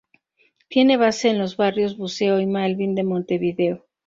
Tiene base en los barrios Buceo y Malvín de Montevideo.